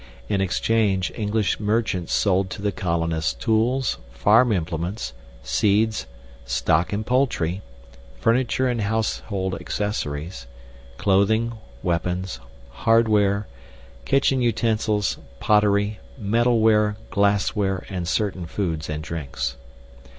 In exchange, English merchants sold to the colonists, tools, farm implements, seeds, stock and poultry, furniture and household accessories, clothing, weapons, hardware, kitchen utensils, pottery, metalware, glassware, and certain foods and drinks.